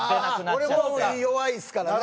俺も弱いですからね。